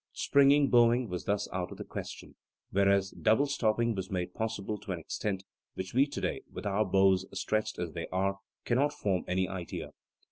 "Springing" bowing was thus out of the question, whereas double stopping was made possible to an extent which we today, with our bows stretched as they are, cannot form any idea.